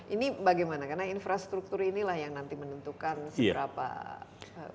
ini bagaimana karena infrastruktur inilah yang nanti menentukan seberapa besar